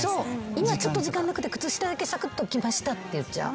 今ちょっと時間なくて靴下だけサクッと来ましたって言っちゃう。